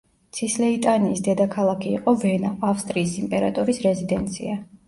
ცისლეიტანიის დედაქალაქი იყო ვენა, ავსტრიის იმპერატორის რეზიდენცია.